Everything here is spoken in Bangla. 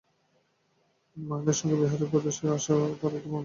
মহেন্দ্রের সঙ্গে বিহারীর যে অনেক প্রভেদ, আশা তাহার আর-একটি প্রমাণ পাইল।